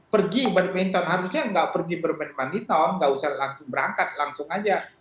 pergi badminton harusnya nggak pergi bermain maniton nggak usah langsung berangkat langsung aja